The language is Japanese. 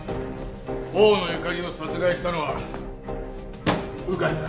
大野ゆかりを殺害したのは鵜飼だ。